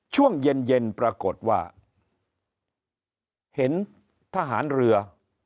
ช่วงเย็นเย็นปรากฏว่าเห็นทหารเรือ